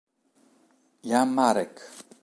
Jan Marek